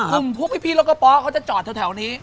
พวกพี่รถกระป๋อเขาจะจอดแถวนี้